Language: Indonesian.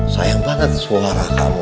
sayang banget suara kamu